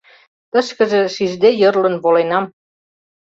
— Тышкыже шижде йӧрлын воленам.